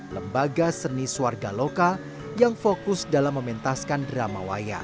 lembaga seni suarga lokal yang fokus dalam mementaskan drama wayang